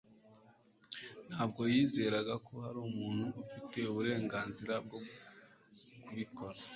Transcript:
Ntabwo yizeraga ko hari umuntu ufite uburenganzira bwo kubikora